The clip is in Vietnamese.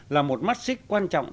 là một mắt xích quan trọng